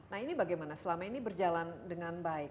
nah ini bagaimana selama ini berjalan dengan baik